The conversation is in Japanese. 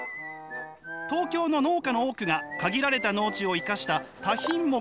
東京の農家の多くが限られた農地を生かした多品目